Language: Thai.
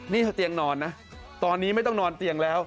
นี่คือเตียงนอนนะตอนนี้ไม่ต้องนอนเตียงแล้ว